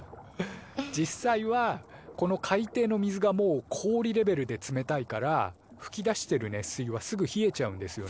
実際はこの海底の水がもう氷レベルで冷たいからふき出してる熱水はすぐ冷えちゃうんですよね。